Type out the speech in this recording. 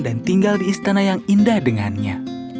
dan tinggal di istana yang indah dengannya